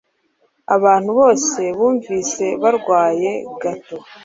Abantu bose bumvise barwaye gato